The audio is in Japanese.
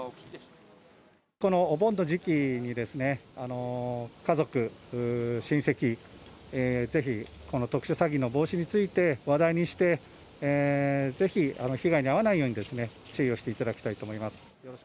このお盆の時期に、家族、親戚、ぜひこの特殊詐欺の防止について話題にして、ぜひ被害に遭わないように注意をしていただきたいと思います。